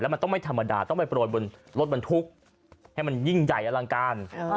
มันต้องไม่ธรรมดาต้องไปโปรยบนรถบรรทุกให้มันยิ่งใหญ่อลังการ